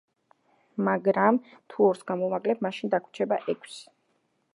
მაგრამ, თუ ორს გამოვაკლებ, მაშინ დაგვრჩება ექვსი.